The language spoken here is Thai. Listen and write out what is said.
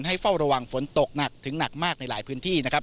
ให้เฝ้าระวังฝนตกหนักถึงหนักมากในหลายพื้นที่